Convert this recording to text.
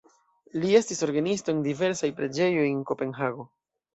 Li estis orgenisto en diversaj preĝejoj de Kopenhago.